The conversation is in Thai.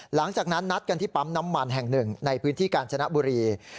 หลังจากนั้นนัดกันที่ปั๊มน้ำมันแห่งหนึ่งในพื้นที่กาญจนบุรี